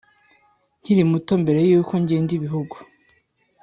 Nkiri muto, mbere y’uko ngenda ibihugu,